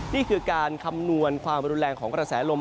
นี่คือการคำนวณความรุนแรงของกระแสลม